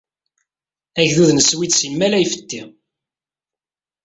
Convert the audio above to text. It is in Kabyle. Agdud d n Sswid simmal a ifetti.